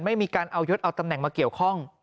ไม่มีการเอายศเอาตำแหน่งมาเกี่ยวข้อง